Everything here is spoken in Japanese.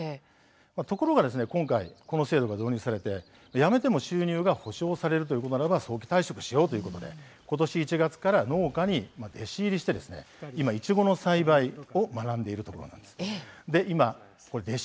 ところが今回この制度が導入されて辞めても収入が保障されるなら早期退職しようということでことし１月から農家に弟子入りして今、いちごの栽培を学んでいるということです。